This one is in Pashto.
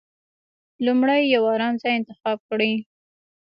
لومړی يو ارام ځای انتخاب کړئ.